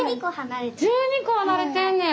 １２こ離れてんねや！